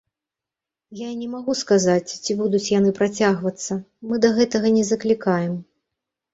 Я не магу сказаць, ці будуць яны працягвацца, мы да гэтага не заклікаем.